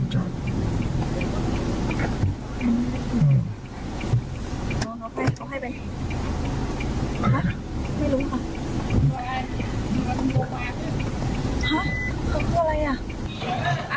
ห้ะเขาคิดอะไรอ่ะ